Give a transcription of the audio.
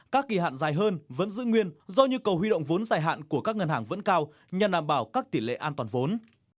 các kỳ hạn dài hơn vẫn giữ nguyên do nhu cầu huy động vốn dài hạn của các ngân hàng vẫn cao nhằm đảm bảo các tỷ lệ an toàn vốn